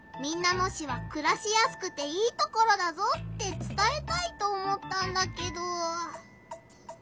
野市はくらしやすくていいところだぞってつたえたいと思ったんだけど。